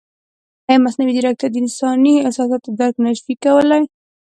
ایا مصنوعي ځیرکتیا د انساني احساساتو درک نه شي کولی؟